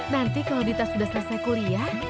nanti kalau dita sudah selesai kuliah